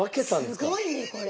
すごいねこれ。